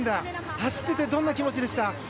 走っていてどんな気持ちでした？